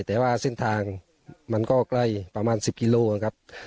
แต่ว่าเส้นทางมันก็ใกล้ประมาณ๑๐กิโลครับ